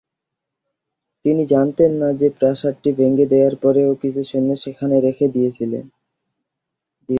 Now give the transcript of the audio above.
তিনি জানতেন না যে প্রাসাদটি ভেঙে দেওয়ার পরেও কিছু সৈন্য সেখানে রেখে দিয়েছেন।